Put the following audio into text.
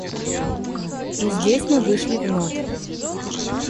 И здесь мы вышли вновь.